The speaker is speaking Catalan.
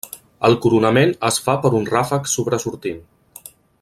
El coronament es fa per un ràfec sobresortint.